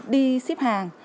đi ship hàng